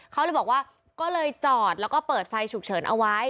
เขาเลยบอกว่าก็เลยจอดแล้วก็เปิดไฟฉุกเฉินเอาไว้